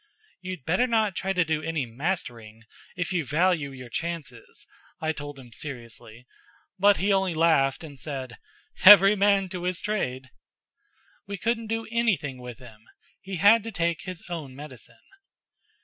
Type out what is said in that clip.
"You'd better not try to do any mastering if you value your chances," I told him seriously; but he only laughed, and said, "Every man to his trade!" We couldn't do anything with him. He had to take his own medicine.